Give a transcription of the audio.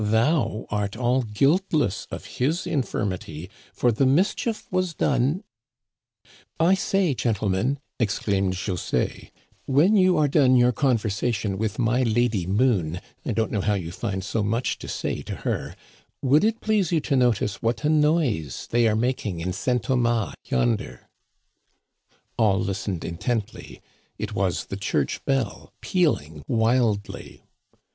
Thou art all guiltless of his infirmity, for the mischief was done —"" I say, gentlemen," exclaimed José, " when you are done your conversation with my lady moon — I don't know how you find so much to say to her — would it please you to notice what a noise they are making in St. Thomas yonder ?" All listened intently. It was the church bell pealing wildly.